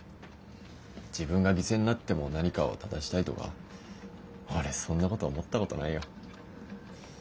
自分が犠牲になっても何かを正したいとか俺そんなこと思ったことないよ。